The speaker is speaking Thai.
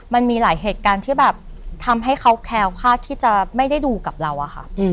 มันมีหลายเหตุการณ์ที่แบบทำให้เขาแคล้วคาดที่จะไม่ได้ดูกับเราอะค่ะ